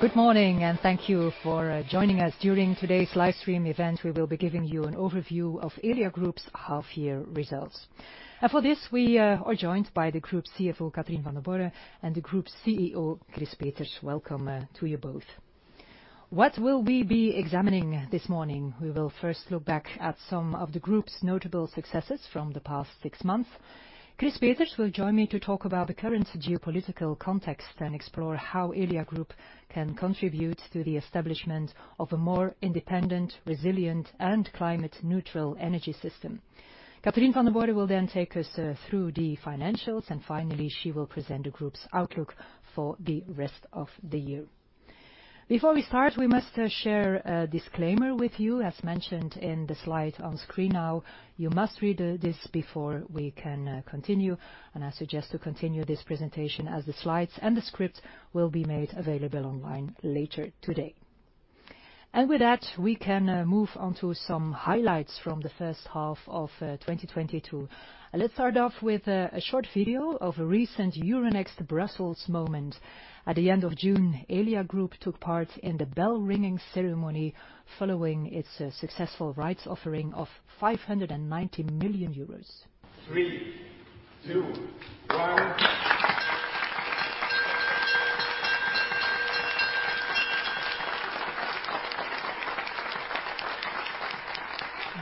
Good morning, and thank you for joining us during today's live stream event. We will be giving you an overview of Elia Group's half year results. For this, we are joined by the Group CFO, Catherine Vandenborre, and the Group CEO, Chris Peeters. Welcome to you both. What will we be examining this morning? We will first look back at some of the group's notable successes from the past six months. Chris Peeters will join me to talk about the current geopolitical context and explore how Elia Group can contribute to the establishment of a more independent, resilient, and climate neutral energy system. Catherine Vandenborre will then take us through the financials, and finally, she will present the group's outlook for the rest of the year. Before we start, we must share a disclaimer with you, as mentioned in the slide on screen now. You must read this before we can continue, and I suggest to continue this presentation as the slides and the script will be made available online later today. With that, we can move on to some highlights from the first half of 2022. Let's start off with a short video of a recent Euronext Brussels moment. At the end of June, Elia Group took part in the bell ringing ceremony following its successful rights offering of 590 million euros. 3, 2, 1.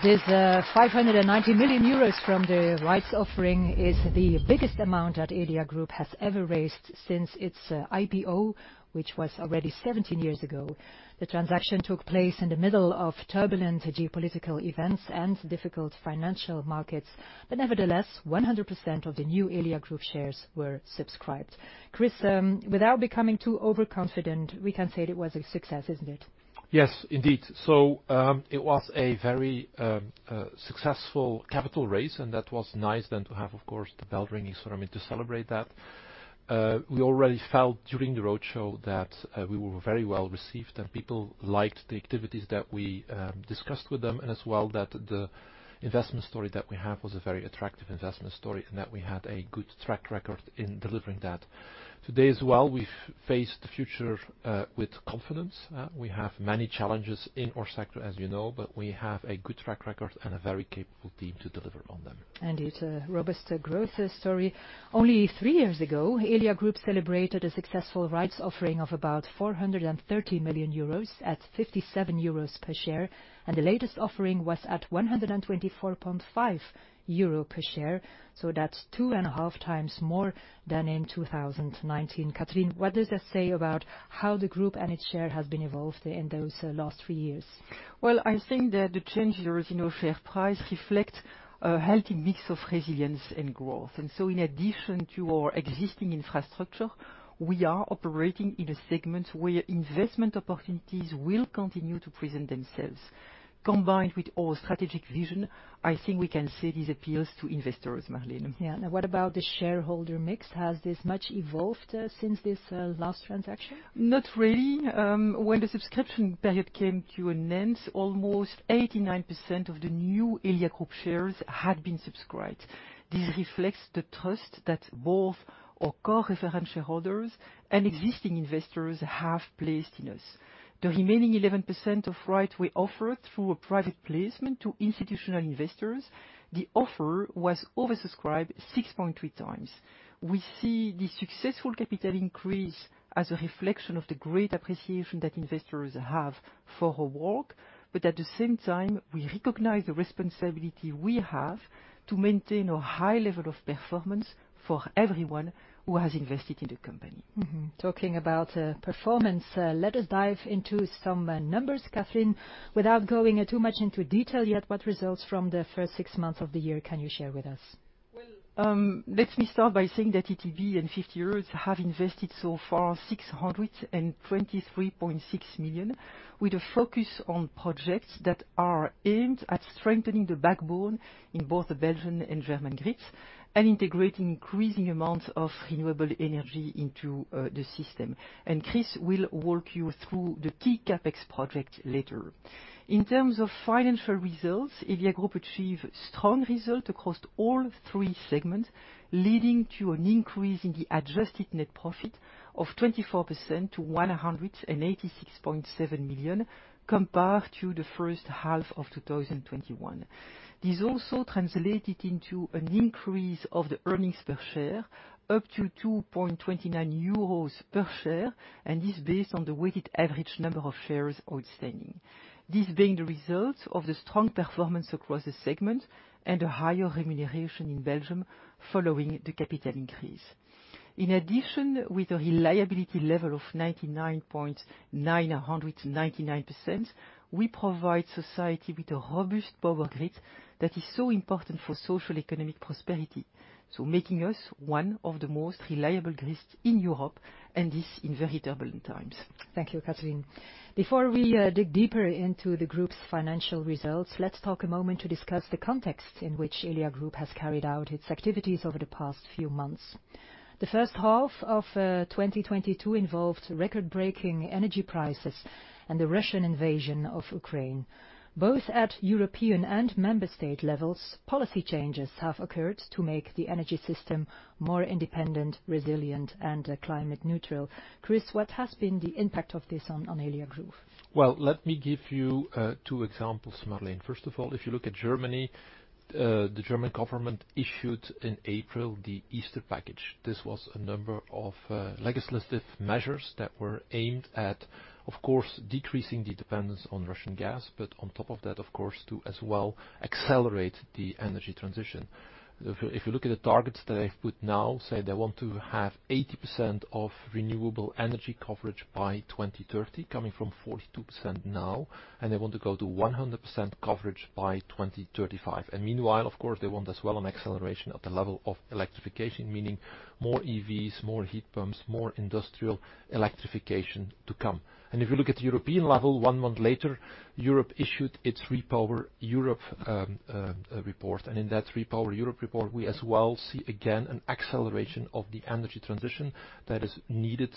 This 590 million euros from the rights offering is the biggest amount that Elia Group has ever raised since its IPO, which was already 17 years ago. The transaction took place in the middle of turbulent geopolitical events and difficult financial markets, but nevertheless, 100% of the new Elia Group shares were subscribed. Chris, without becoming too overconfident, we can say it was a success, isn't it? Yes, indeed. It was a very successful capital raise, and that was nice then to have, of course, the bell ringing ceremony to celebrate that. We already felt during the roadshow that we were very well-received and people liked the activities that we discussed with them, and as well that the investment story that we have was a very attractive investment story and that we had a good track record in delivering that. Today as well, we face the future with confidence. We have many challenges in our sector, as you know, but we have a good track record and a very capable team to deliver on them. It's a robust growth story. Only three years ago, Elia Group celebrated a successful rights offering of about 430 million euros at 57 euros per share, and the latest offering was at 124.5 euro per share, so that's two and a half times more than in 2019. Catherine, what does that say about how the group and its share has been evolved in those last three years? Well, I think that the changes in our share price reflect a healthy mix of resilience and growth. In addition to our existing infrastructure, we are operating in a segment where investment opportunities will continue to present themselves. Combined with our strategic vision, I think we can say this appeals to investors, Marleen. Yeah. Now, what about the shareholder mix? Has this much evolved since this last transaction? Not really. When the subscription period came to an end, almost 89% of the new Elia Group shares had been subscribed. This reflects the trust that both our core reference shareholders and existing investors have placed in us. The remaining 11% of rights we offered through a private placement to institutional investors. The offer was oversubscribed 6.3x. We see the successful capital increase as a reflection of the great appreciation that investors have for our work, but at the same time, we recognize the responsibility we have to maintain a high level of performance for everyone who has invested in the company. Mm-hmm. Talking about performance, let us dive into some numbers. Catherine, without going too much into detail yet, what results from the first six months of the year can you share with us? Let me start by saying that ETB and 50Hertz have invested so far 623.6 million, with a focus on projects that are aimed at strengthening the backbone in both the Belgian and German grids and integrating increasing amounts of renewable energy into the system. Chris will walk you through the key CapEx project later. In terms of financial results, Elia Group achieved strong results across all three segments, leading to an increase in the adjusted net profit of 24% to 186.7 million compared to the first half of 2021. This also translated into an increase of the earnings per share up to 2.29 euros per share, and is based on the weighted average number of shares outstanding. This being the result of the strong performance across the segment and a higher remuneration in Belgium following the capital increase. In addition, with a reliability level of 99.900%-99%, we provide society with a robust power grid that is so important for social economic prosperity, so making us one of the most reliable grids in Europe, and this in very turbulent times. Thank you, Catherine. Before we dig deeper into the group's financial results, let's talk a moment to discuss the context in which Elia Group has carried out its activities over the past few months. The first half of 2022 involved record-breaking energy prices and the Russian invasion of Ukraine. Both at European and member state levels, policy changes have occurred to make the energy system more independent, resilient, and climate neutral. Chris, what has been the impact of this on Elia Group? Well, let me give you two examples, Marleen. First of all, if you look at Germany, the German government issued in April the Easter Package. This was a number of legislative measures that were aimed at, of course, decreasing the dependence on Russian gas, but on top of that, of course, to as well accelerate the energy transition. If you look at the targets that I've put now, say they want to have 80% of renewable energy coverage by 2030, coming from 42% now, and they want to go to 100% coverage by 2035. Meanwhile, of course, they want as well an acceleration at the level of electrification, meaning more EVs, more heat pumps, more industrial electrification to come. If you look at the European level, one month later, Europe issued its REPowerEU report. In that REPowerEU report, we as well see again an acceleration of the energy transition that is needed,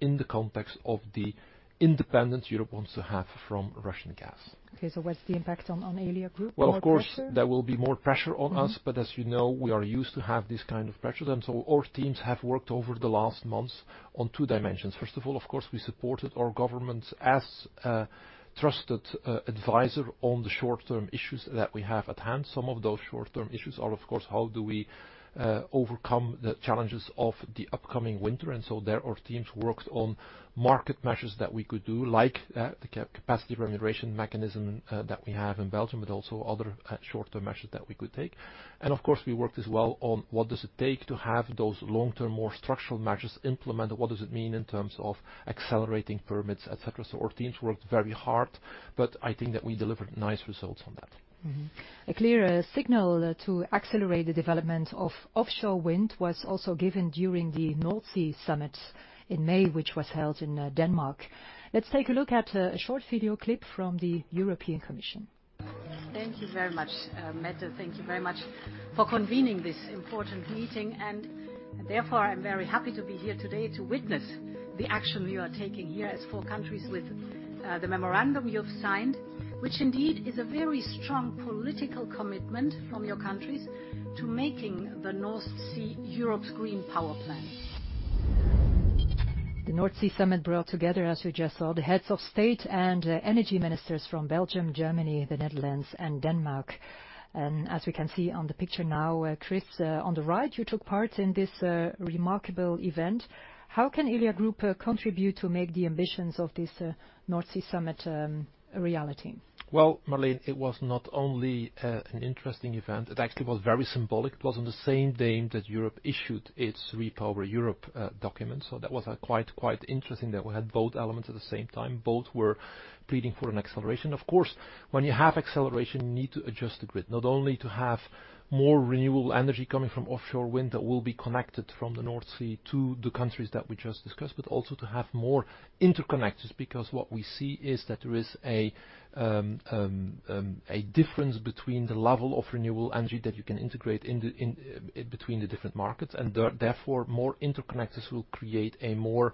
in the context of the independence Europe wants to have from Russian gas. Okay, what's the impact on Elia Group? More pressure? Well, of course, there will be more pressure on us. As you know, we are used to have this kind of pressure. Our teams have worked over the last months on two dimensions. First of all, of course, we supported our governments as a trusted advisor on the short-term issues that we have at hand. Some of those short-term issues are, of course, how do we overcome the challenges of the upcoming winter? There our teams worked on market measures that we could do, like the Capacity Remuneration Mechanism that we have in Belgium, but also other short-term measures that we could take. Of course, we worked as well on what does it take to have those long-term, more structural measures implemented? What does it mean in terms of accelerating permits, etc.? Our teams worked very hard, but I think that we delivered nice results on that. A clear signal to accelerate the development of offshore wind was also given during the North Sea Summit in May, which was held in Denmark. Let's take a look at a short video clip from the European Commission. Thank you very much, Mette. Thank you very much for convening this important meeting. Therefore, I'm very happy to be here today to witness the action you are taking here as four countries with the memorandum you have signed, which indeed is a very strong political commitment from your countries to making the North Sea Europe's green power plant. The North Sea Summit brought together, as you just saw, the heads of state and energy ministers from Belgium, Germany, the Netherlands, and Denmark. As we can see on the picture now, Chris, on the right, you took part in this remarkable event. How can Elia Group contribute to make the ambitions of this North Sea Summit a reality? Well, Marleen, it was not only an interesting event, it actually was very symbolic. It was on the same day that Europe issued its REPowerEU document. That was quite interesting that we had both elements at the same time. Both were pleading for an acceleration. Of course, when you have acceleration, you need to adjust the grid. Not only to have more renewable energy coming from offshore wind that will be connected from the North Sea to the countries that we just discussed, but also to have more interconnectors. Because what we see is that there is a difference between the level of renewable energy that you can integrate in between the different markets, and therefore, more interconnectors will create a more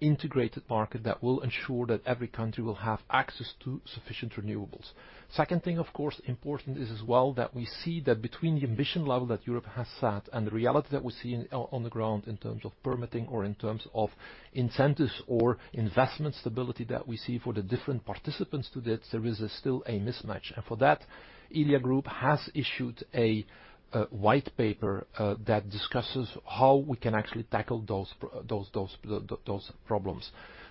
integrated market that will ensure that every country will have access to sufficient renewables. Second thing, of course, important is as well that we see that between the ambition level that Europe has set and the reality that we see on the ground in terms of permitting or in terms of incentives or investment stability that we see for the different participants to this, there is still a mismatch. For that, Elia Group has issued a white paper that discusses how we can actually tackle those problems.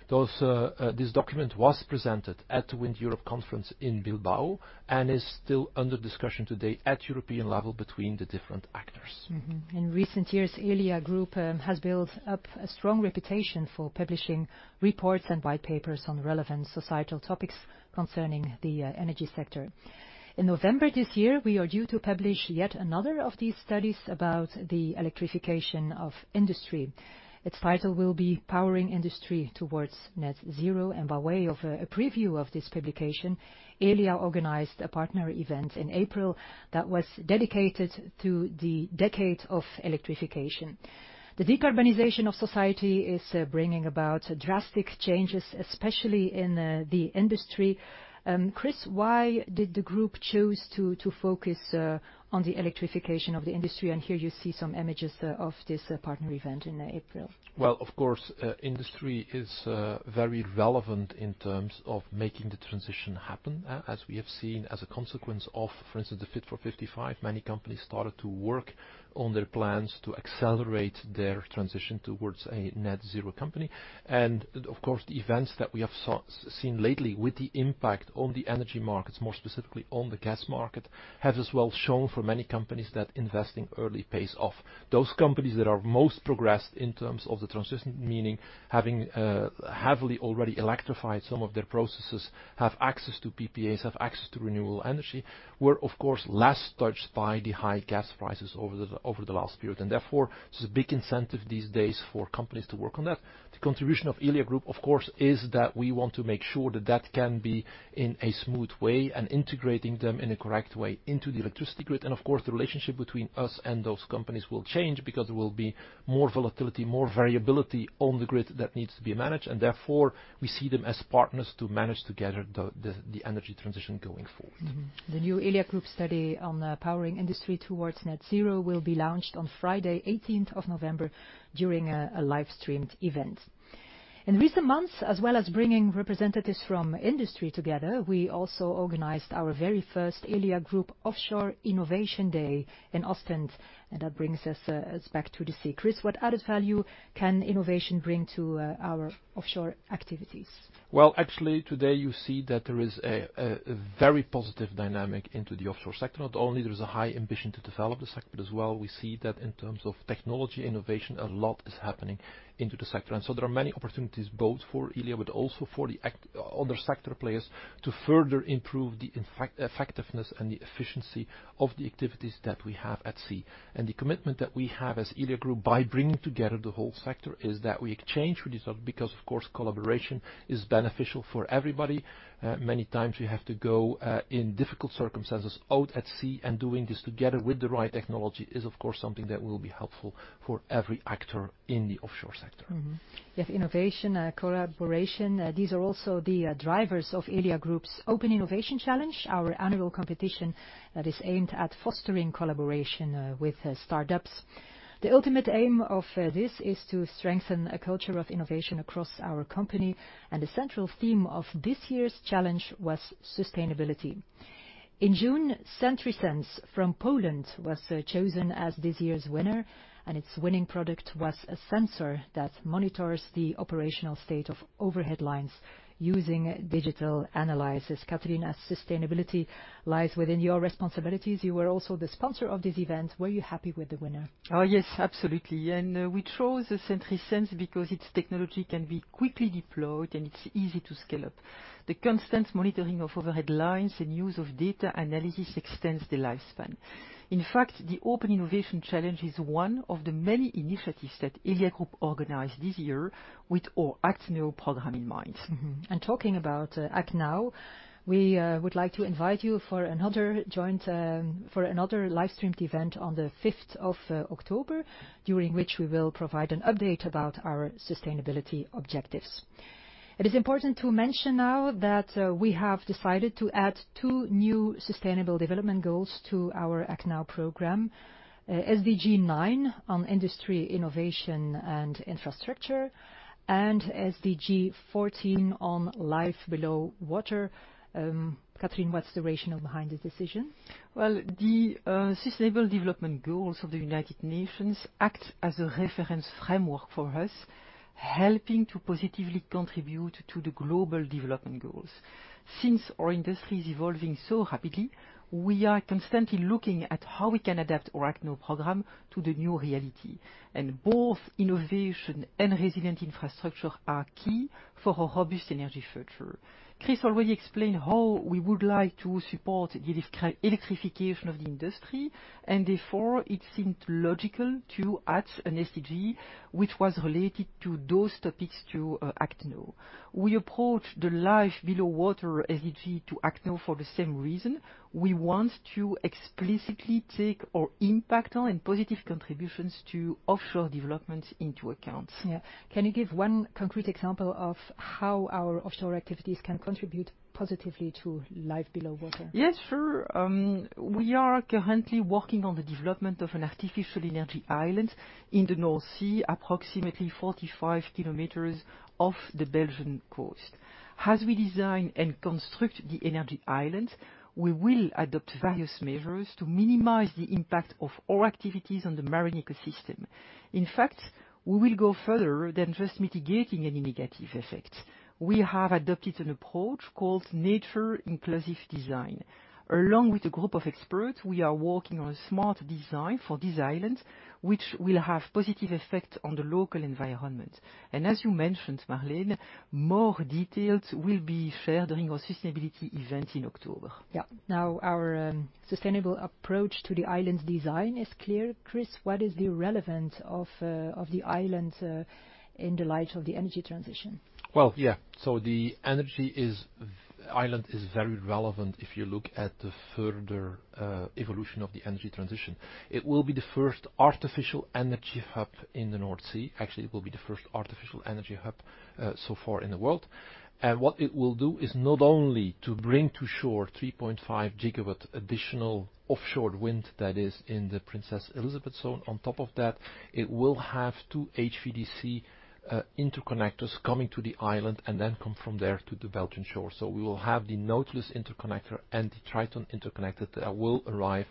This document was presented at the WindEurope conference in Bilbao and is still under discussion today at European level between the different actors. In recent years, Elia Group has built up a strong reputation for publishing reports and white papers on relevant societal topics concerning the energy sector. In November this year, we are due to publish yet another of these studies about the electrification of industry. Its title will be Powering Industry Towards Net Zero, and by way of a preview of this publication, Elia organized a partner event in April. That was dedicated to the decade of electrification. The decarbonization of society is bringing about drastic changes, especially in the industry. Chris, why did the group choose to focus on the electrification of the industry? Here you see some images of this partner event in April. Well, of course, industry is very relevant in terms of making the transition happen. As we have seen as a consequence of, for instance, the Fit for 55, many companies started to work on their plans to accelerate their transition towards a net zero company. Of course, the events that we have seen lately with the impact on the energy markets, more specifically on the gas market, have as well shown for many companies that investing early pays off. Those companies that are most progressed in terms of the transition, meaning having heavily already electrified some of their processes, have access to PPAs, have access to renewable energy, were of course less touched by the high gas prices over the last period. Therefore, there's a big incentive these days for companies to work on that. The contribution of Elia Group, of course, is that we want to make sure that can be in a smooth way and integrating them in a correct way into the electricity grid. Of course, the relationship between us and those companies will change because there will be more volatility, more variability on the grid that needs to be managed, and therefore we see them as partners to manage together the energy transition going forward. The new Elia Group study on Powering Industry Towards Net Zero will be launched on Friday, eighteenth of November during a live streamed event. In recent months, as well as bringing representatives from industry together, we also organized our very first Elia Group Offshore Innovation Day in Ostend, and that brings us back to the sea. Chris, what added value can innovation bring to our offshore activities? Well, actually today you see that there is a very positive dynamic into the offshore sector. Not only there is a high ambition to develop the sector, but as well we see that in terms of technology innovation, a lot is happening into the sector. There are many opportunities both for Elia, but also for other sector players to further improve the effectiveness and the efficiency of the activities that we have at sea. The commitment that we have as Elia Group by bringing together the whole sector is that we exchange with each other because of course, collaboration is beneficial for everybody. Many times we have to go in difficult circumstances out at sea, and doing this together with the right technology is of course something that will be helpful for every actor in the offshore sector. We have innovation, collaboration, these are also the drivers of Elia Group's Open Innovation Challenge, our annual competition that is aimed at fostering collaboration with startups. The ultimate aim of this is to strengthen a culture of innovation across our company, and the central theme of this year's challenge was sustainability. In June, Sentrisense from Poland was chosen as this year's winner, and its winning product was a sensor that monitors the operational state of overhead lines using digital analysis. Catherine, as sustainability lies within your responsibilities, you were also the sponsor of this event. Were you happy with the winner? Oh, yes, absolutely. We chose Sentrisense because its technology can be quickly deployed and it's easy to scale up. The constant monitoring of overhead lines and use of data analysis extends the lifespan. In fact, the Open Innovation Challenge is one of the many initiatives that Elia Group organized this year with our ActNow program in mind. Talking about ActNow, we would like to invite you for another live streamed event on the fifth of October, during which we will provide an update about our sustainability objectives. It is important to mention now that we have decided to add two new sustainable development goals to our ActNow program. SDG 9 on industry, innovation and infrastructure, and SDG 14 on life below water. Catherine, what's the rationale behind this decision? Well, the sustainable development goals of the United Nations act as a reference framework for us, helping to positively contribute to the global development goals. Since our industry is evolving so rapidly, we are constantly looking at how we can adapt our ActNow program to the new reality. Both innovation and resilient infrastructure are key for a robust energy future. Chris already explained how we would like to support the electrification of the industry, and therefore it seemed logical to add an SDG which was related to those topics to ActNow. We approach the life below water SDG to ActNow for the same reason. We want to explicitly take our impact and positive contributions to offshore developments into account. Yeah. Can you give one concrete example of how our offshore activities can contribute positively to life below water? Yes, sure. We are currently working on the development of an artificial energy island in the North Sea, approximately 45 km off the Belgian coast. As we design and construct the energy island, we will adopt various measures to minimize the impact of our activities on the marine ecosystem. In fact, we will go further than just mitigating any negative effect. We have adopted an approach called Nature Inclusive Design. Along with a group of experts, we are working on a smart design for this island, which will have positive effect on the local environment. As you mentioned, Marleen, more details will be shared during our sustainability event in October. Yeah. Now, our sustainable approach to the island's design is clear. Chris, what is the relevance of the island in the light of the energy transition? Well, yeah. The energy island is very relevant if you look at the further evolution of the energy transition. It will be the first artificial energy hub in the North Sea. Actually, it will be the first artificial energy hub so far in the world. What it will do is not only to bring to shore 3.5 GW additional offshore wind that is in the Princess Elizabeth Zone. On top of that, it will have two HVDC interconnectors coming to the island and then come from there to the Belgian shore. We will have the Nautilus Interconnector and the Triton Interconnector that will arrive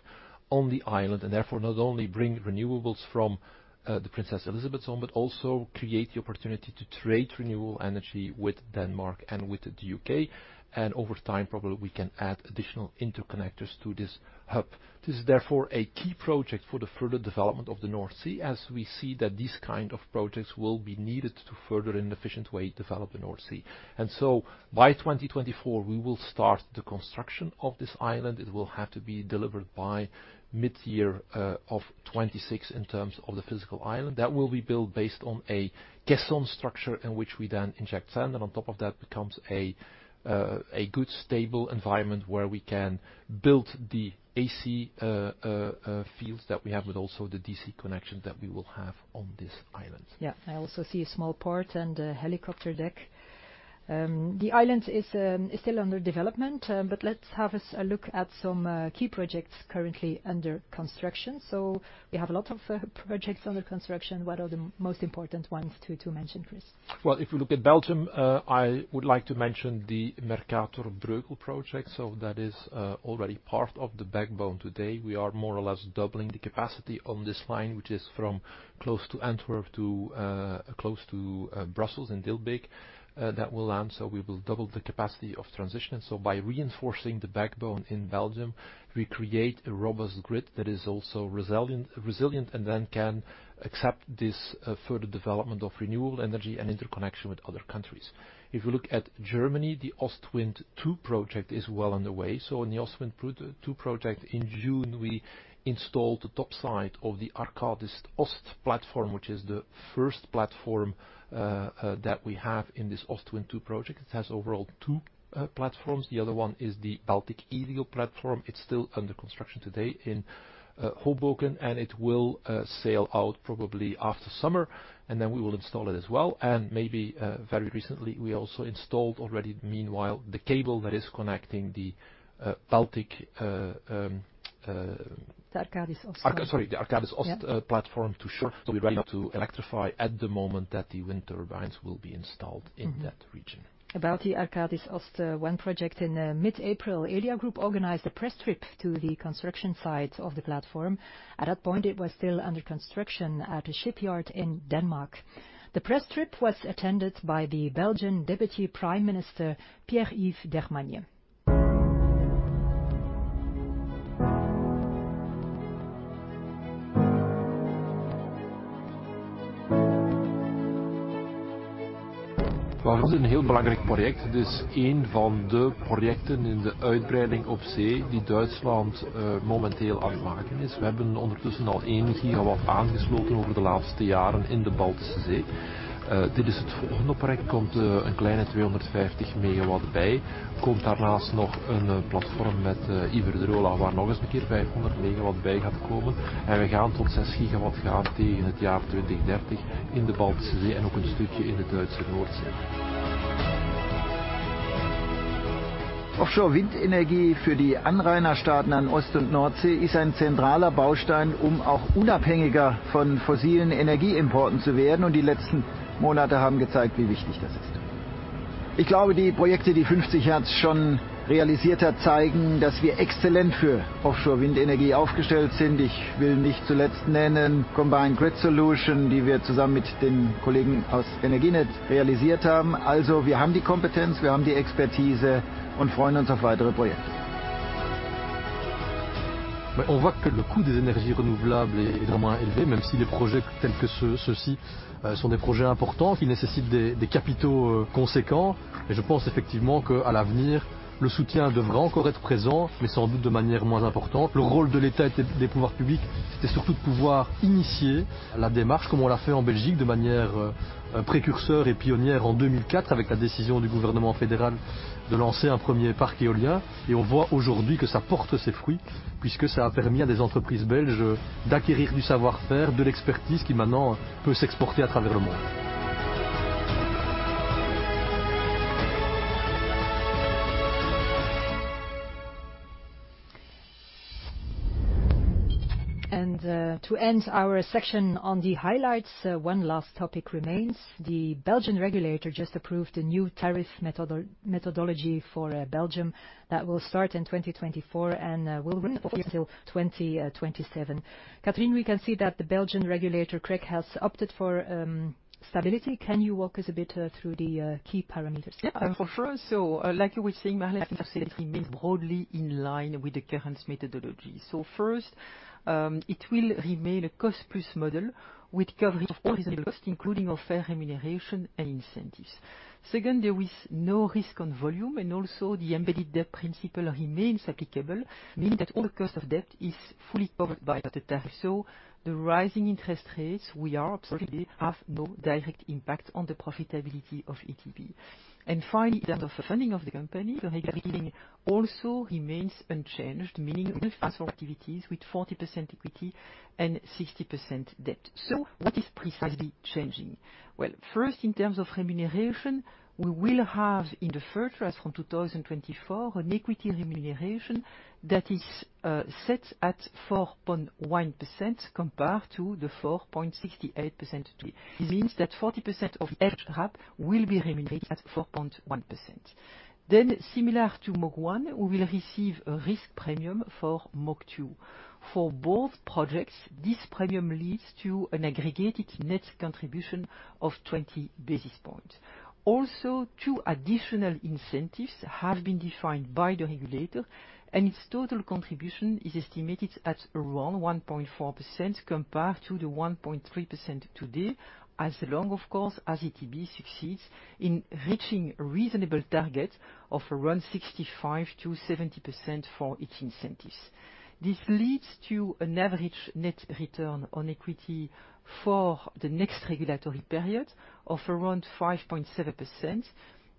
on the island, and therefore not only bring renewables from the Princess Elizabeth Zone, but also create the opportunity to trade renewable energy with Denmark and with the U.K. Over time, probably we can add additional interconnectors to this hub. This is therefore a key project for the further development of the North Sea, as we see that these kind of projects will be needed to further in an efficient way develop the North Sea. By 2024, we will start the construction of this island. It will have to be delivered by mid-year of 2026 in terms of the physical island. That will be built based on a caisson structure in which we then inject sand, and on top of that becomes a good, stable environment where we can build the AC fields that we have, with also the DC connection that we will have on this island. Yeah. I also see a small port and a helicopter deck. The island is still under development, but let's have a look at some key projects currently under construction. We have a lot of projects under construction. What are the most important ones to mention, Chris? Well, if you look at Belgium, I would like to mention the Mercator-Bruegel project. That is already part of the backbone today. We are more or less doubling the capacity on this line, which is from close to Antwerp to close to Brussels in Dilbeek. That will land. We will double the capacity of transition. By reinforcing the backbone in Belgium, we create a robust grid that is also resilient and then can accept this further development of renewable energy and interconnection with other countries. If you look at Germany, the Ostwind 2 project is well underway. In the Ostwind two project in June, we installed the top side of the Arcadis Ost platform, which is the first platform that we have in this Ostwind 2 project. It has overall two platforms. The other one is the Baltic Eagle platform. It's still under construction today in Hoboken, and it will sail out probably after summer, and then we will install it as well. Maybe very recently we also installed already meanwhile the cable that is connecting the Baltic. The Arcadis Ost Sorry, the Arcadis Ost. Yeah Platform to shore. We're ready to electrify at the moment that the wind turbines will be installed in that region. About the Arcadis Ost wind project in mid-April, Elia Group organized a press trip to the construction site of the platform. At that point, it was still under construction at a shipyard in Denmark. The press trip was attended by the Belgian Deputy Prime Minister Pierre-Yves Dermagne. Offshore wind energy for the coastal states on the East and North Sea is a central building block to also become more independent from fossil energy imports, and the last months have shown how important that is. I think the projects that 50Hertz has already realized show that we are excellently positioned for offshore wind energy. Last but not least, I want to mention Combined Grid Solution, which we have realized together with our colleagues from Energinet. We have the competence, we have the expertise, and we look forward to further projects. To end our section on the highlights, one last topic remains. The Belgian regulator just approved a new tariff methodology for Belgium that will start in 2024 and will run until 2027. Catherine, we can see that the Belgian regulator, CREG, has opted for stability. Can you walk us a bit through the key parameters? Yeah, for sure. Like you were saying, Marleen, it remains broadly in line with the current methodology. First, it will remain a cost plus model with coverage of all reasonable costs, including a fair remuneration and incentives. Second, there is no risk on volume, and also the embedded debt principle remains applicable, meaning that all cost of debt is fully covered by the tariff. The rising interest rates we are observing have no direct impact on the profitability of ETB. Finally, in terms of funding of the company, the regulatory scheme also remains unchanged, meaning well-funded activities with 40% equity and 60% debt. What is precisely changing? Well, first, in terms of remuneration, we will have, in the first phase from 2024, an equity remuneration that is set at 4.1% compared to the 4.68% today. This means that 40% of the RAB will be remunerated at 4.1%. Then, similar to MOG 1, we will receive a risk premium for MOG 2. For both projects, this premium leads to an aggregated net contribution of 20 basis points. Also, two additional incentives have been defined by the regulator, and its total contribution is estimated at around 1.4% compared to the 1.3% today, as long, of course, as ETB succeeds in reaching reasonable targets of around 65%-70% for its incentives. This leads to an average net return on equity for the next regulatory period of around 5.7%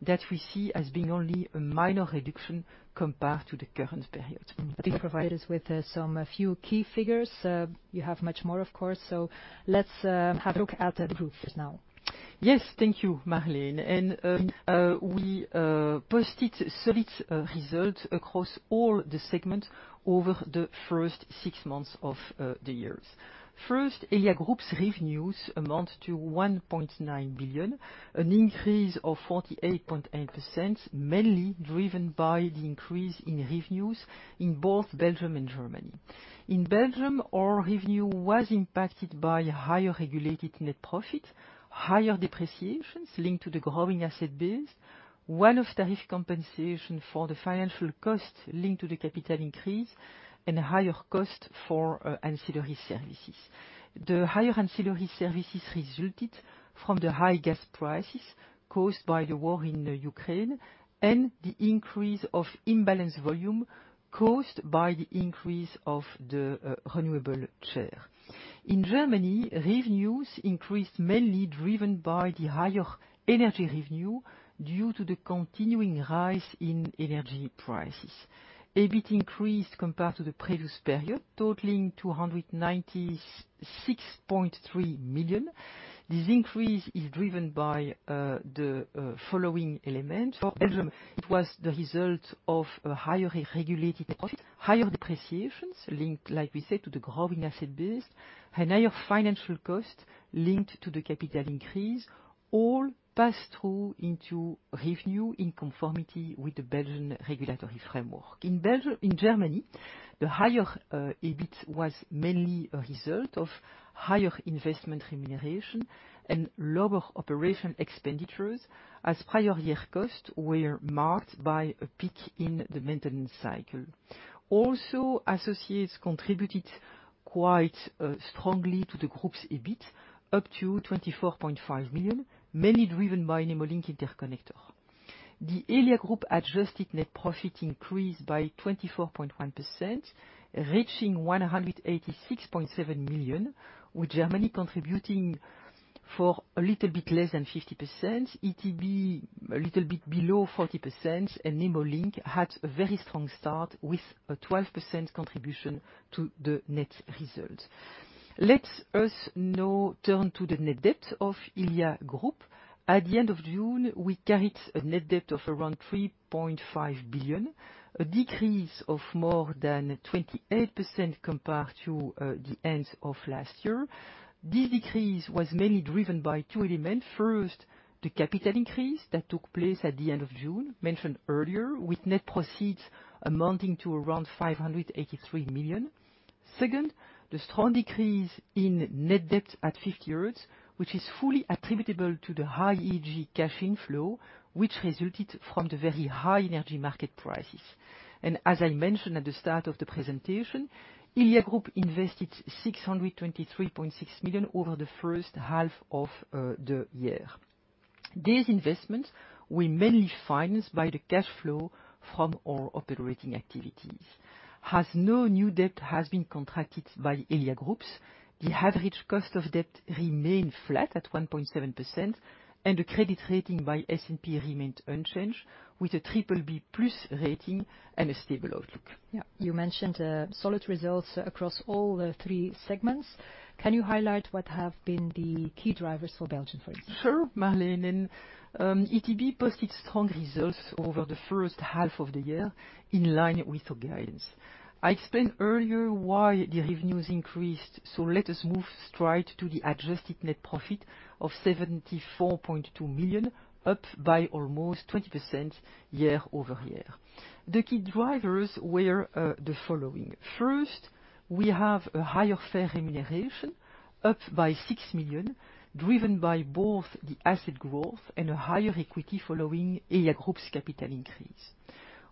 that we see as being only a minor reduction compared to the current period. Please provide us with some few key figures. You have much more, of course, so let's have a look at the group's now. Yes. Thank you, Marleen. We posted solid results across all the segments over the first six months of the years. First, Elia Group's revenues amount to 1.9 billion, an increase of 48.8%, mainly driven by the increase in revenues in both Belgium and Germany. In Belgium, our revenue was impacted by higher regulated net profit, higher depreciations linked to the growing asset base, one-off tariff compensation for the financial cost linked to the capital increase, and higher cost for ancillary services. The higher ancillary services resulted from the high gas prices caused by the war in Ukraine and the increase of imbalanced volume caused by the increase of the renewable share. In Germany, revenues increased, mainly driven by the higher energy revenue due to the continuing rise in energy prices. EBIT increased compared to the previous period, totaling 296.3 million. This increase is driven by the following elements. For Belgium, it was the result of a higher regulated profit, higher depreciations linked, like we said, to the growing asset base, and higher financial costs linked to the capital increase, all passed through into revenue in conformity with the Belgian regulatory framework. In Germany, the higher EBIT was mainly a result of higher investment remuneration and lower operational expenditures, as prior year costs were marked by a peak in the maintenance cycle. Also, associates contributed quite strongly to the group's EBIT, up to 24.5 million, mainly driven by Nemo Link interconnector. The Elia Group adjusted net profit increased by 24.1%, reaching 186.7 million, with Germany contributing for a little bit less than 50%, ETB a little bit below 40%, and Nemo Link had a very strong start with a 12% contribution to the net result. Let us now turn to the net debt of Elia Group. At the end of June, we carried a net debt of around 3.5 billion, a decrease of more than 28% compared to the end of last year. This decrease was mainly driven by two elements. First, the capital increase that took place at the end of June, mentioned earlier, with net proceeds amounting to around 583 million. Second, the strong decrease in net debt at 50Hertz, which is fully attributable to the high EEG cash flow, which resulted from the very high energy market prices. As I mentioned at the start of the presentation, Elia Group invested 623.6 million over the first half of the year. These investments were mainly financed by the cash flow from our operating activities. As no new debt has been contracted by Elia Group, the average cost of debt remained flat at 1.7%, and the credit rating by S&P remained unchanged, with a BBB+ rating and a stable outlook. Yeah. You mentioned, solid results across all the three segments. Can you highlight what have been the key drivers for Belgium, for instance? Sure, Marleen. ETB posted strong results over the first half of the year, in line with the guidance. I explained earlier why the revenues increased, so let us move straight to the adjusted net profit of 74.2 million, up by almost 20% year-over-year. The key drivers were the following. First, we have a higher fair remuneration, up by 6 million, driven by both the asset growth and a higher equity following Elia Group's capital increase.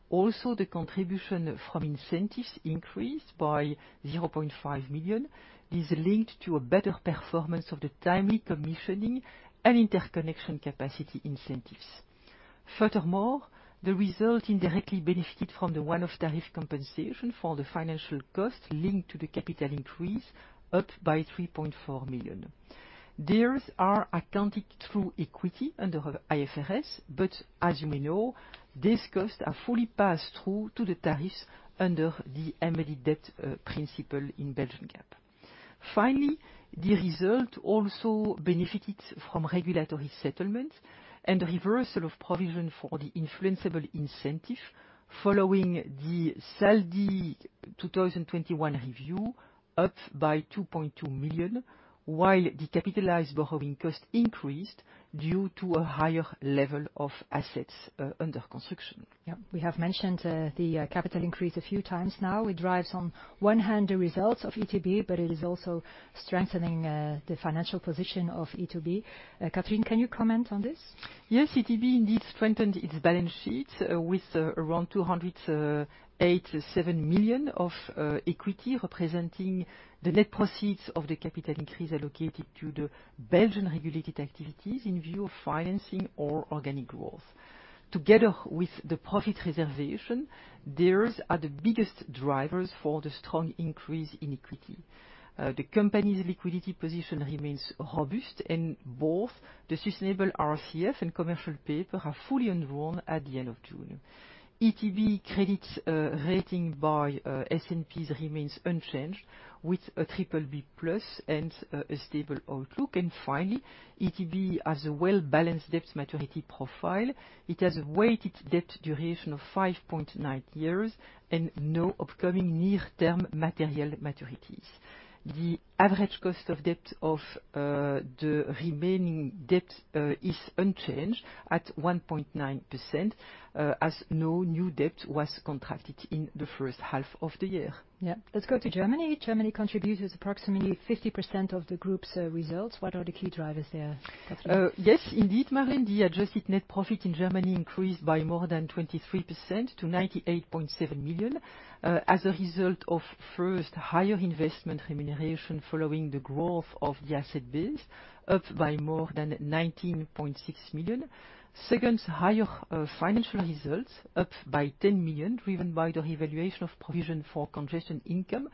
Also, the contribution from incentives increased by 0.5 million, is linked to a better performance of the timely commissioning and interconnection capacity incentives. Furthermore, the result indirectly benefited from the one-off tariff compensation for the financial cost linked to the capital increase, up by 3.4 million. These are accounted through equity under IFRS, but as you may know, these costs are fully passed through to the tariffs under the amended principle in Belgian GAAP. Finally, the result also benefited from regulatory settlement and reversal of provision for the incentivable incentive following the SALDI 2021 review, up by 2.2 million, while the capitalized borrowing cost increased due to a higher level of assets under construction. Yeah. We have mentioned the capital increase a few times now. It drives on one hand the results of ETB but it is also strengthening the financial position of ETB. Catherine, can you comment on this? Yes. ETB indeed strengthened its balance sheet with around 287 million of equity, representing the net proceeds of the capital increase allocated to the Belgian regulated activities in view of financing or organic growth. Together with the profit reservation, these are the biggest drivers for the strong increase in equity. The company's liquidity position remains robust, and both the sustainable RCF and commercial paper are fully undrawn at the end of June. ETB's credit rating by S&P remains unchanged, with a BBB+ and a stable outlook. Finally, ETB has a well-balanced debt maturity profile. It has a weighted debt duration of 5.9 years and no upcoming near-term material maturities. The average cost of debt of the remaining debt is unchanged at 1.9%, as no new debt was contracted in the first half of the year. Yeah. Let's go to Germany. Germany contributes approximately 50% of the group's results. What are the key drivers there, Catherine? Yes, indeed, Marleen. The adjusted net profit in Germany increased by more than 23% to 98.7 million as a result of, first, higher investment remuneration following the growth of the asset base, up by more than 19.6 million. Second, higher financial results, up by 10 million, driven by the revaluation of provision for congestion income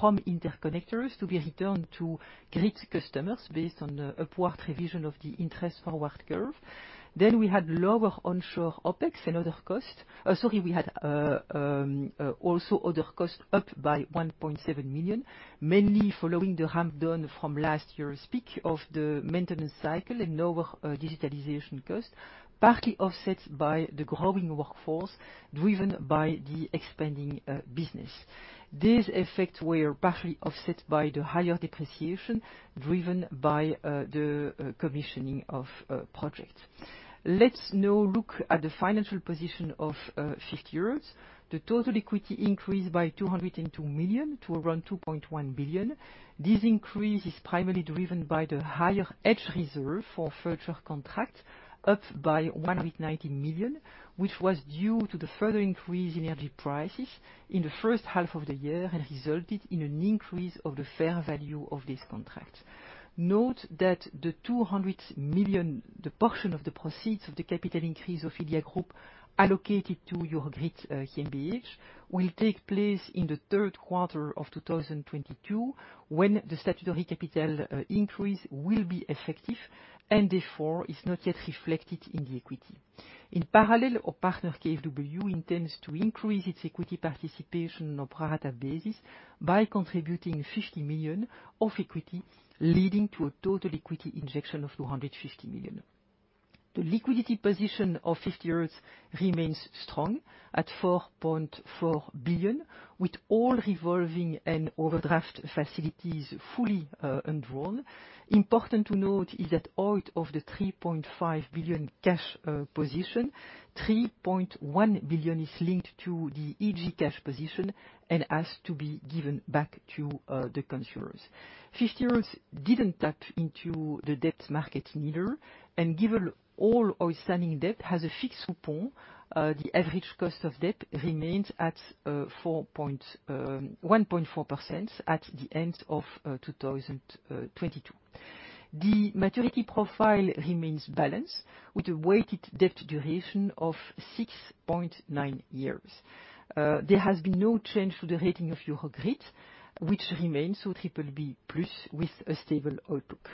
from interconnectors to be returned to grid customers based on an upward revision of the interest forward curve. We had lower onshore OPEX and other costs. We had also other costs up by 1.7 million, mainly following the ramp down from last year's peak of the maintenance cycle and lower digitalization costs, partly offset by the growing workforce driven by the expanding business. These effects were partly offset by the higher depreciation driven by the commissioning of projects. Let's now look at the financial position of 50Hertz. The total equity increased by 202 million to around 2.1 billion. This increase is primarily driven by the higher hedge reserve for future contracts, up by 190 million, which was due to the further increase in energy prices in the first half of the year and resulted in an increase of the fair value of this contract. Note that the 200 million, the portion of the proceeds of the capital increase of Elia Group allocated to Eurogrid GmbH will take place in the third quarter of 2022, when the statutory capital increase will be effective and therefore is not yet reflected in the equity. In parallel, our partner, KfW, intends to increase its equity participation on a pro rata basis by contributing 50 million of equity, leading to a total equity injection of 250 million. The liquidity position of 50Hertz remains strong at 4.4 billion, with all revolving and overdraft facilities fully undrawn. Important to note is that out of the 3.5 billion cash position, 3.1 billion is linked to the EG cash position and has to be given back to the consumers. 50Hertz didn't tap into the debt market neither, and given all outstanding debt has a fixed coupon, the average cost of debt remains at 4.14% at the end of 2022. The maturity profile remains balanced with a weighted debt duration of 6.9 years. There has been no change to the rating of Eurogrid, which remains BBB+ with a stable outlook.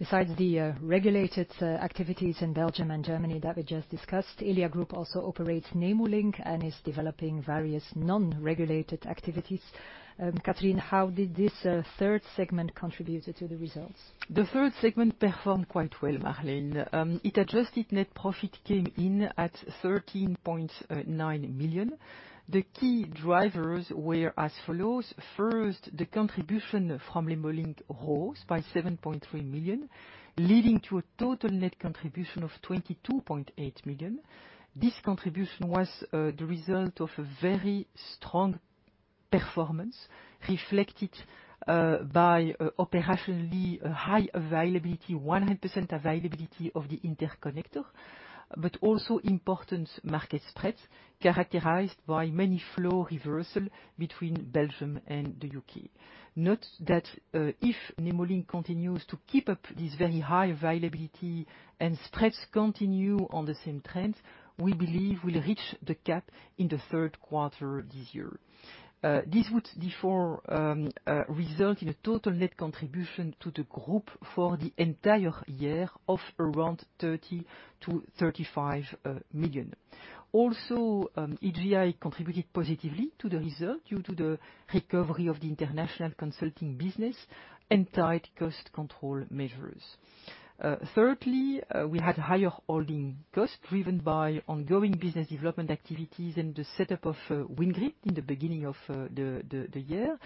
Besides the regulated activities in Belgium and Germany that we just discussed, Elia Group also operates Nemo Link and is developing various non-regulated activities. Catherine, how did this third segment contribute to the results? The third segment performed quite well, Marleen. It adjusted net profit came in at 13.9 million. The key drivers were as follows. First, the contribution from Nemo Link rose by 7.3 million, leading to a total net contribution of 22.8 million. This contribution was the result of a very strong performance reflected by operationally high availability, 100% availability of the interconnector, but also important market spreads characterized by many flow reversal between Belgium and the U.K. Note that, if Nemo Link continues to keep up this very high availability and spreads continue on the same trend, we believe we'll reach the cap in the third quarter this year. This would therefore result in a total net contribution to the group for the entire year of around 30 million-35 million. Also, EGI contributed positively to the result due to the recovery of the international consulting business and tight cost control measures. Thirdly, we had higher holding costs driven by ongoing business development activities and the setup of WindGrid in the beginning of the year.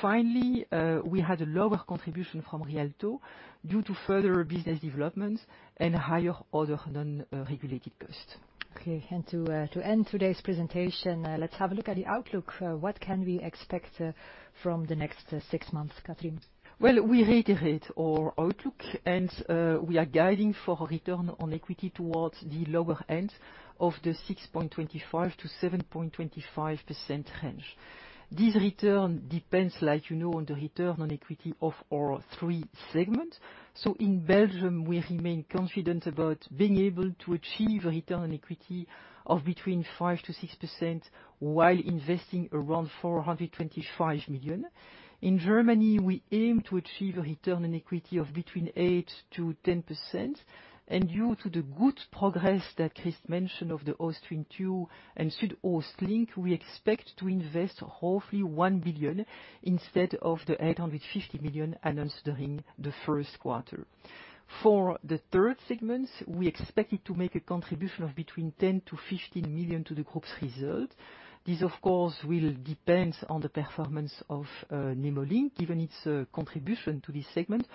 Finally, we had a lower contribution from re.alto due to further business developments and higher other non-regulated costs. Okay. To end today's presentation, let's have a look at the outlook. What can we expect from the next six months, Catherine? Well, we reiterate our outlook, and we are guiding for return on equity towards the lower end of the 6.25%-7.25% range. This return depends, like you know, on the return on equity of our three segments. In Belgium, we remain confident about being able to achieve a return on equity of between 5%-6% while investing around 425 million. In Germany, we aim to achieve a return on equity of between 8%-10%. Due to the good progress that Chris mentioned of the Ostwind 2 and SuedOstLink, we expect to invest roughly 1 billion instead of the 850 million announced during the first quarter. For the third segment, we expect it to make a contribution of between 10 million-15 million to the group's result. This, of course, will depend on the performance of Nemo Link, given its contribution to this segment,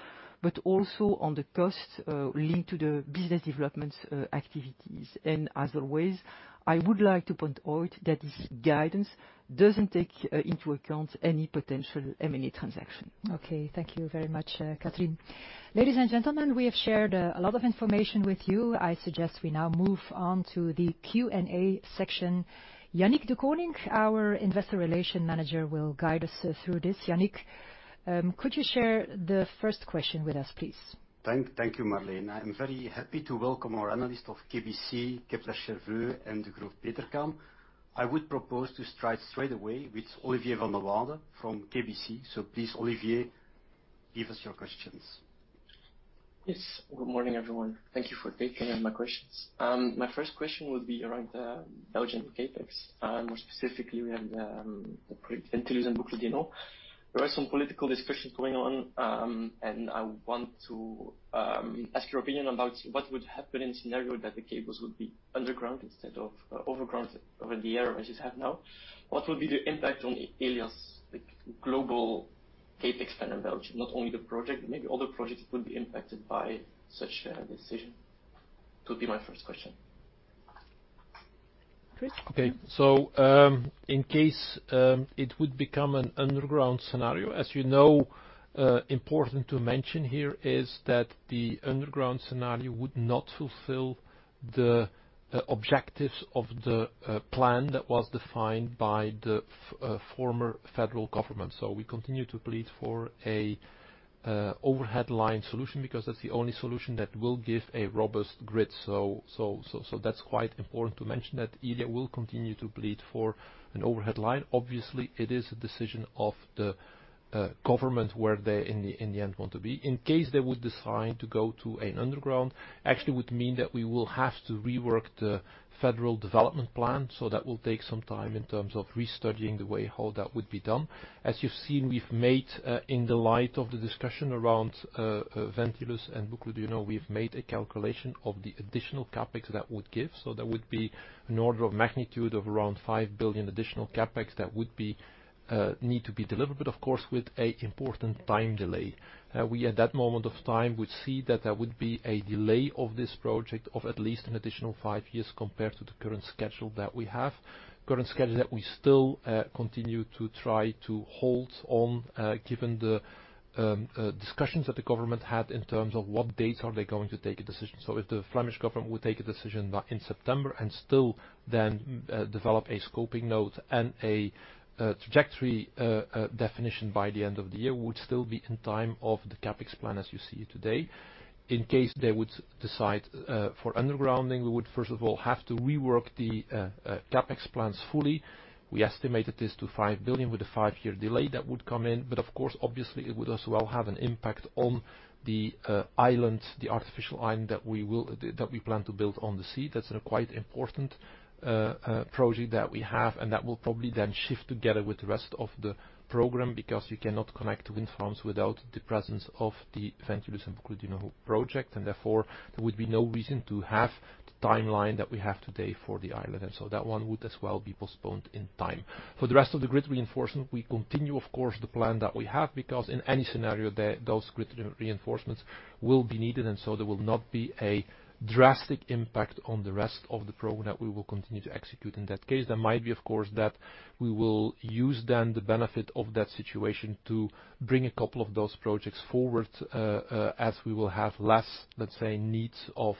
but also on the costs linked to the business development activities. As always, I would like to point out that this guidance doesn't take into account any potential M&A transaction. Okay. Thank you very much, Catherine. Ladies and gentlemen, we have shared a lot of information with you. I suggest we now move on to the Q&A section. Yannick Dekoninck, our Investor Relations Manager, will guide us through this. Yannick, could you share the first question with us, please? Thank you, Marleen. I'm very happy to welcome our analyst of KBC, Kepler Cheuvreux, and Degroof Petercam. I would propose to start straight away with Olivier Vandewoude from KBC. Please, Olivier, give us your questions. Yes. Good morning, everyone. Thank you for taking my questions. My first question would be around Belgian CapEx, more specifically around the project Nautilus and Boucle du Hainaut. There are some political discussions going on, and I want to ask your opinion about what would happen in a scenario that the cables would be underground instead of overground over the air, as you have now. What would be the impact on Elia's, like, global CapEx plan in Belgium? Not only the project, maybe other projects would be impacted by such a decision. Would be my first question. Chris? Okay. In case it would become an underground scenario, as you know, important to mention here is that the underground scenario would not fulfill the objectives of the plan that was defined by the former federal government. We continue to plead for a overhead line solution, because that's the only solution that will give a robust grid. That's quite important to mention that Elia will continue to plead for an overhead line. Obviously, it is a decision of the government where they in the end want to be. In case they would decide to go to an underground, actually would mean that we will have to rework the federal development plan. That will take some time in terms of restudying the way how that would be done. As you've seen, we've made in the light of the discussion around Ventilus and Boucle du Hainaut, you know, we've made a calculation of the additional CapEx that would give. That would be an order of magnitude of around 5 billion additional CapEx that would need to be delivered, but of course, with an important time delay. We at that moment of time would see that there would be a delay of this project of at least an additional five years compared to the current schedule that we have. Current schedule that we still continue to try to hold on given the discussions that the government had in terms of what dates are they going to take a decision. If the Flemish Government would take a decision back in September and still then develop a scoping note and a trajectory definition by the end of the year, we would still be in time of the CapEx plan as you see it today. In case they would decide for undergrounding, we would first of all have to rework the CapEx plans fully. We estimated this to 5 billion with a five-year delay that would come in, but of course, obviously it would as well have an impact on the island, the artificial island that we plan to build on the sea. That's a quite important project that we have, and that will probably then shift together with the rest of the program because you cannot connect to wind farms without the presence of the Ventilus and Boucle du Hainaut project. Therefore, there would be no reason to have the timeline that we have today for the island. So that one would as well be postponed in time. For the rest of the grid reinforcement, we continue, of course, the plan that we have because in any scenario those grid reinforcements will be needed, and so there will not be a drastic impact on the rest of the program that we will continue to execute. In that case, there might be, of course, that we will use then the benefit of that situation to bring a couple of those projects forward, as we will have less, let's say, needs of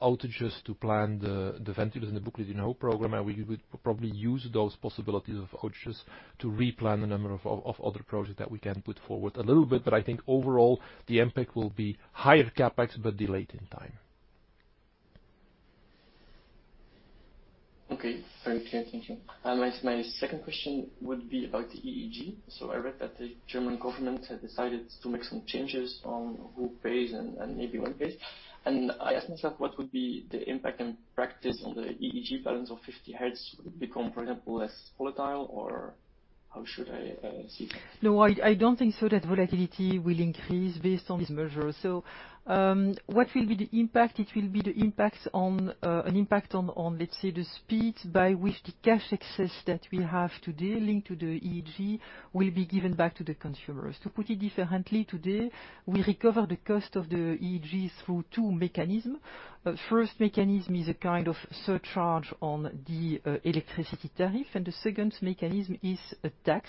outages to plan the Ventilus and the Boucle du Hainaut program. We would probably use those possibilities of outages to replan a number of other projects that we can put forward a little bit. I think overall, the impact will be higher CapEx but delayed in time. Okay. Very clear. Thank you. My second question would be about the EEG. I read that the German government had decided to make some changes on who pays and maybe when it pays. I ask myself, what would be the impact in practice on the EEG balance of 50Hertz? Would it become, for example, less volatile or how should I see it? No, I don't think so, that volatility will increase based on this measure. What will be the impact? It will be an impact on, let's say, the speed by which the cash excess that we have today linked to the EEG will be given back to the consumers. To put it differently, today, we recover the cost of the EEG through two mechanisms. First mechanism is a kind of surcharge on the electricity tariff, and the second mechanism is a tax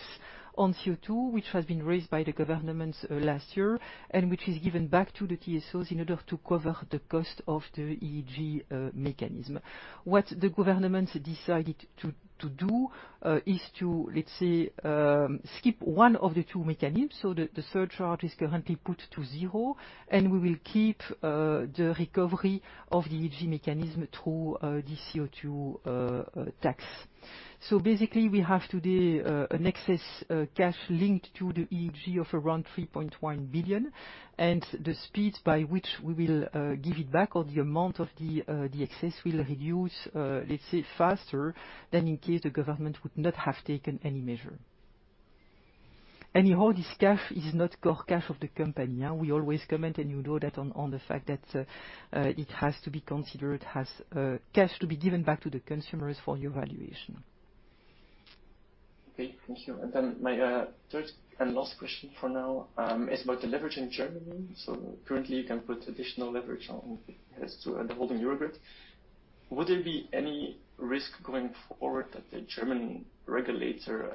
on CO₂, which has been raised by the governments last year, and which is given back to the TSOs in order to cover the cost of the EEG mechanism. What the government decided to do is to, let's say, skip one of the two mechanisms. The surcharge is currently put to zero, and we will keep the recovery of the EEG mechanism through the CO₂ tax. Basically, we have today an excess cash linked to the EEG of around 3.1 billion. The speed by which we will give it back or the amount of the excess will reduce, let's say, faster than in case the government would not have taken any measure. Anyhow, this cash is not core cash of the company. We always comment, and you know that on the fact that it has to be considered as cash to be given back to the consumers for your valuation. Thank you. My third and last question for now is about the leverage in Germany. Currently, you can put additional leverage on, as to the holding Eurogrid. Would there be any risk going forward that the German regulator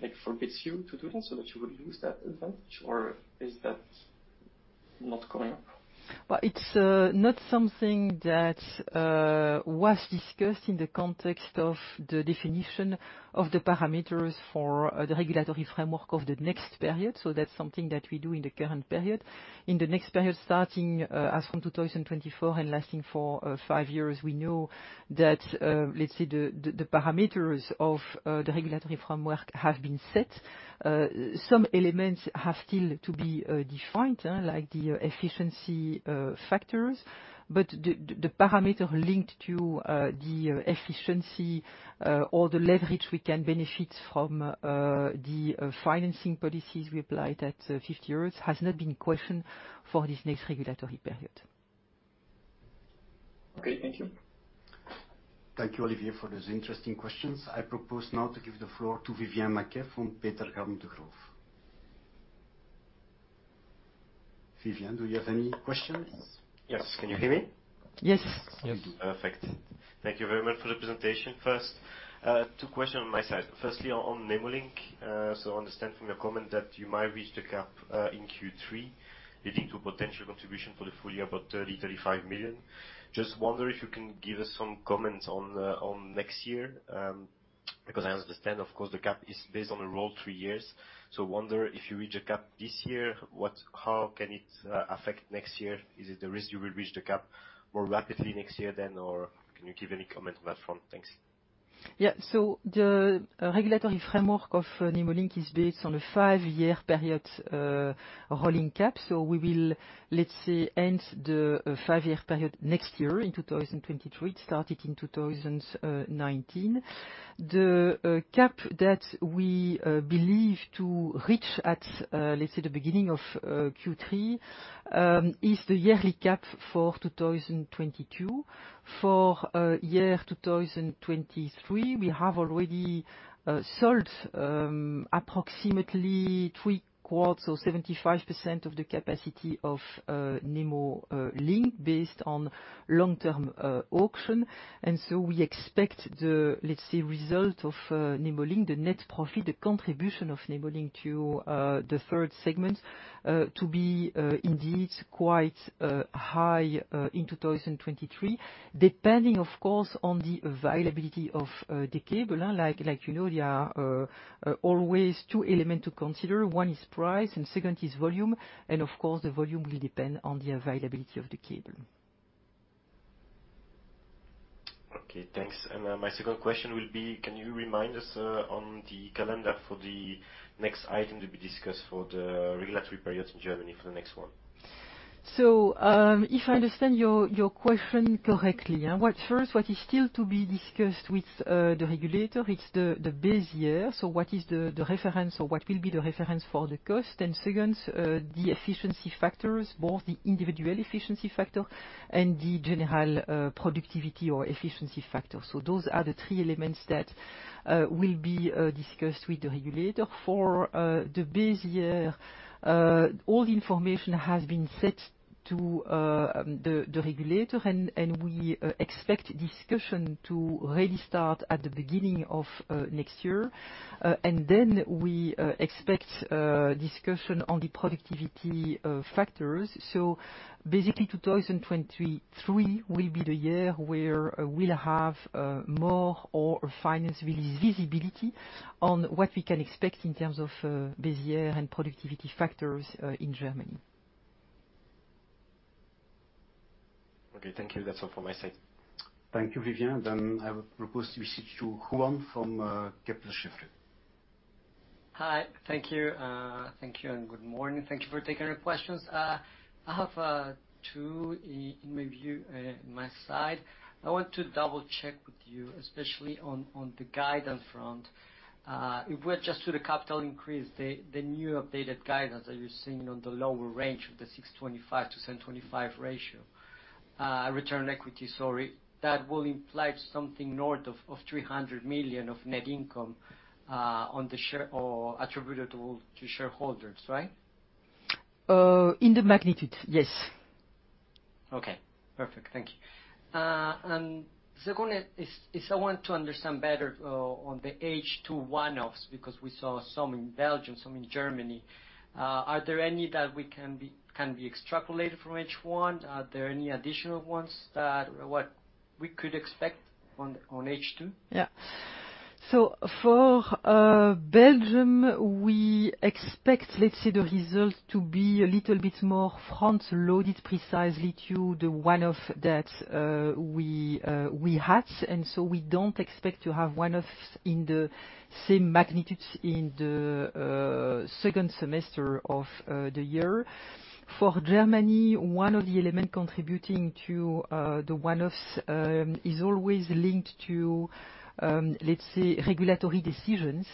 like forbids you to do this so that you will lose that advantage, or is that not coming up? Well, it's not something that was discussed in the context of the definition of the parameters for the regulatory framework of the next period, so that's something that we do in the current period. In the next period, starting as from 2024 and lasting for five years, we know that, let's say, the parameters of the regulatory framework have been set. Some elements have still to be defined, like the efficiency factors. But the parameter linked to the efficiency or the leverage we can benefit from the financing policies we applied at 50Hertz has not been questioned for this next regulatory period. Okay. Thank you. Thank you, Olivier, for those interesting questions. I propose now to give the floor to Vivien Maquet from Degroof Petercam. Vivien, do you have any questions? Yes. Can you hear me? Yes. Yes. Perfect. Thank you very much for the presentation. First, two questions on my side. Firstly, on Nemo Link. So I understand from your comment that you might reach the cap in Q3, leading to a potential contribution for the full year, about 30 million-35 million. Just wonder if you can give us some comments on next year, because I understand, of course, the cap is based on a rolling three years. Wonder if you reach a cap this year, how can it affect next year? Is it the risk you will reach the cap more rapidly next year then, or can you give any comment on that front? Thanks. The regulatory framework of Nemo Link is based on a five-year period rolling cap. We will, let's say, end the five-year period next year in 2023. It started in 2019. The cap that we believe to reach at, let's say, the beginning of Q3 is the yearly cap for 2022. For year 2023, we have already sold approximately three quarters or 75% of the capacity of Nemo Link based on long-term auction. We expect the, let's say, result of Nemo Link, the net profit, the contribution of Nemo Link to the third segment to be indeed quite high in 2023, depending, of course, on the availability of the cable. Like you know, there are always two element to consider. One is price, and second is volume. Of course, the volume will depend on the availability of the cable. Okay, thanks. My second question will be, can you remind us on the calendar for the next item to be discussed for the regulatory period in Germany for the next one? If I understand your question correctly, first, what is still to be discussed with the regulator is the base year. What is the reference or what will be the reference for the cost. Second, the efficiency factors, both the individual efficiency factor and the general productivity or efficiency factor. Those are the three elements that will be discussed with the regulator. For the base year, all the information has been sent to the regulator, and we expect discussion to really start at the beginning of next year. Then we expect discussion on the productivity factors. Basically, 2023 will be the year where we'll have more or final visibility on what we can expect in terms of base year and productivity factors in Germany. Okay, thank you. That's all from my side. Thank you, Vivien. I will propose to proceed to Juan from Kepler Cheuvreux. Hi. Thank you. Thank you, and good morning. Thank you for taking the questions. I have two in review on my side. I want to double-check with you, especially on the guidance front. If we adjust to the capital increase, the new updated guidance that you're seeing on the lower range of the 6.25%-7.25% ratio, return on equity, sorry, that will imply something north of 300 million of net income attributable to shareholders, right? In the magnitude, yes. Okay. Perfect. Thank you. Second is I want to understand better on the H2 one-offs because we saw some in Belgium, some in Germany. Are there any that we can be extrapolated from H1? Are there any additional ones that what we could expect on H2? Yeah. For Belgium, we expect, let's say, the results to be a little bit more front-loaded precisely to the one-off that we had. We don't expect to have one-offs in the same magnitude in the second semester of the year. For Germany, one of the element contributing to the one-offs is always linked to, let's say, regulatory decisions.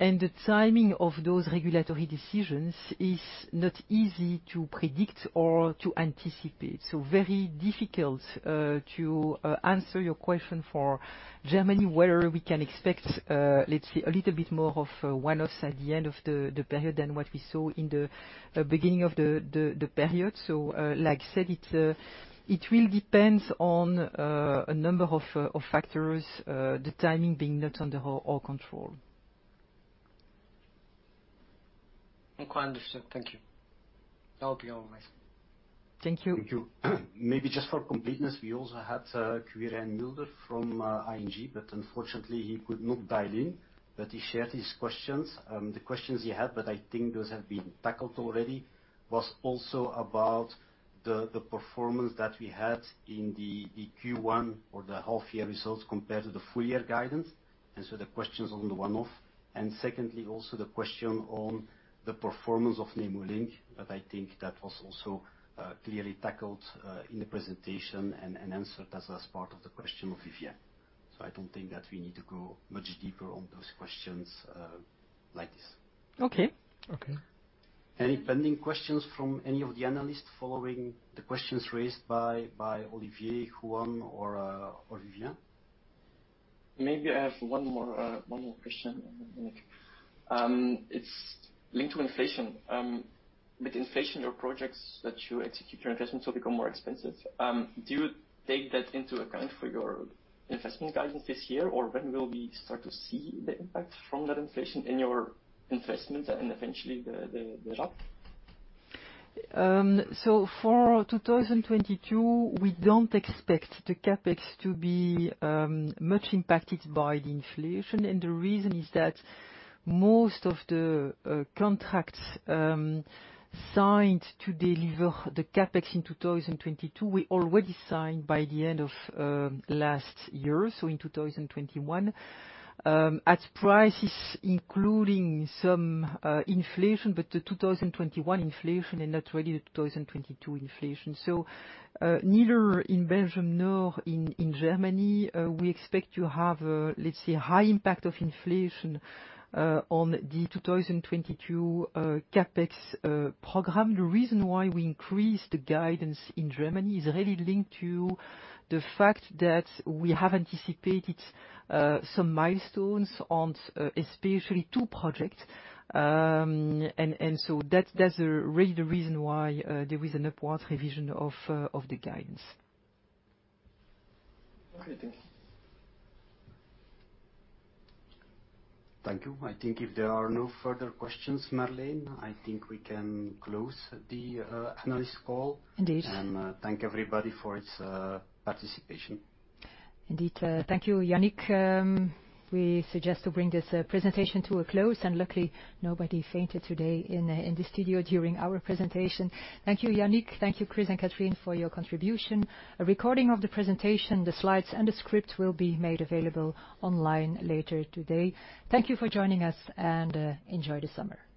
The timing of those regulatory decisions is not easy to predict or to anticipate. Very difficult to answer your question for Germany, whether we can expect, let's say a little bit more of one-offs at the end of the period than what we saw in the beginning of the period. Like I said, it will depend on a number of factors, the timing being not under our control. Okay, understood. Thank you. That will be all from my side. Thank you. Thank you. Maybe just for completeness, we also had Quirijn Mulder from ING, but unfortunately he could not dial in, but he shared his questions. The questions he had, but I think those have been tackled already, was also about the performance that we had in the Q1 or the half year results compared to the full year guidance, and the questions on the one-off. Secondly, also the question on the performance of Nemo Link, but I think that was also clearly tackled in the presentation and answered as part of the question of Vivien. I don't think that we need to go much deeper on those questions like this. Okay. Okay. Any pending questions from any of the analysts following the questions raised by Olivier, Juan or Vivien? Maybe I have one more question, Yannick. It's linked to inflation. With inflation on projects that you execute, your investments will become more expensive. Do you take that into account for your investment guidance this year, or when will we start to see the impact from that inflation in your investment and eventually the RAB? For 2022, we don't expect the CapEx to be much impacted by the inflation. The reason is that most of the contracts signed to deliver the CapEx in 2022, we already signed by the end of last year, so in 2021, at prices including some inflation, but the 2021 inflation and not really the 2022 inflation. Neither in Belgium nor in Germany we expect to have a, let's say, high impact of inflation on the 2022 CapEx program. The reason why we increased the guidance in Germany is really linked to the fact that we have anticipated some milestones on especially two projects. That's really the reason why there is an upward revision of the guidance. Okay, thanks. Thank you. I think if there are no further questions, Marleen, I think we can close the analyst call. Indeed. Thank everybody for its participation. Indeed. Thank you, Yannick. We suggest to bring this presentation to a close, and luckily, nobody fainted today in the studio during our presentation. Thank you, Yannick. Thank you, Chris and Catherine for your contribution. A recording of the presentation, the slides and the script will be made available online later today. Thank you for joining us, and enjoy the summer.